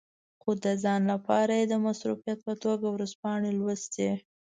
خو د ځان لپاره یې د مصروفیت په توګه ورځپاڼې لوستې.